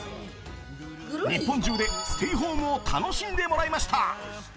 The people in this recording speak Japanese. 日本中でステイホームを楽しんでもらいました。